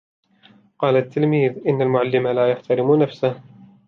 قال التلميذ: إن المعلم لا يحترم نفسه